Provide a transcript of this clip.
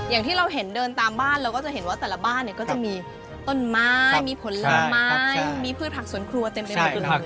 อย่างที่เราเห็นเดินตามบ้านเราก็จะเห็นว่าแต่ละบ้านเนี่ยก็จะมีต้นไม้มีผลไม้มีพืชผักสวนครัวเต็มไปหมดเลย